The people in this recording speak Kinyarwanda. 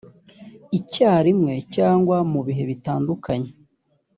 icyarimwe cyangwa mu bihe bitandukanye